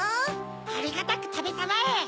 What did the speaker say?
ありがたくたべたまえ！